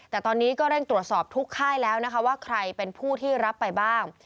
แต่ตอนนี้ก็เร่งตรวจสอบทุกค่ายแล้วนะคะว่าใครเป็นผู้ที่รับไปบ้าง